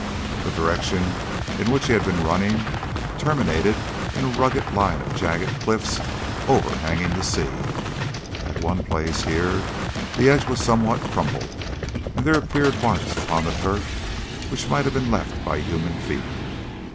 The direction in which he had been running terminated in a rugged line of jagged cliffs overhanging the sea. At one place here the edge was somewhat crumbled, and there appeared marks upon the turf which might have been left by human feet.